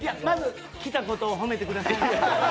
まず来たことを褒めてください。